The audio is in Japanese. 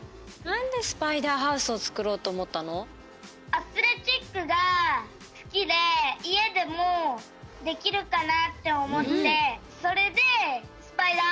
アスレチックがすきでいえでもできるかなっておもってそれでスパイダーハウスをつくろうとおもった。